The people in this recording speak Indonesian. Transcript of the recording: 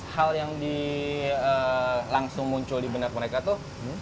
hal yang langsung muncul di benak mereka tuh